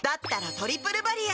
「トリプルバリア」